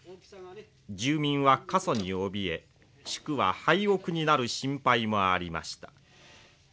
住民は過疎におびえ宿は廃屋になる心配もありました。